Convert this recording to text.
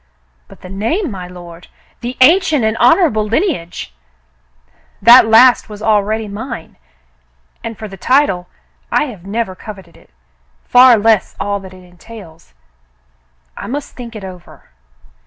"But the name, my lord, — the ancient and honor able lineage !" "That last was already mine, and for the title — I have never coveted it, far less all that it entails. I must think it over."